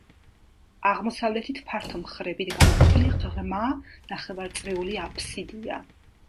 აღმოსავლეთით ფართო მხრებით გამოყოფილი ღრმა ნახევარწრიული აფსიდია.